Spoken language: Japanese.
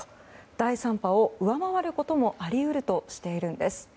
第３波を上回ることもあり得るとしているんです。